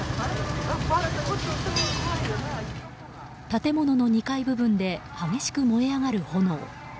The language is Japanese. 建物の２階部分で激しく燃え上がる炎。